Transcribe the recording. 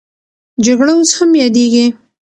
جګړه اوس هم یادېږي.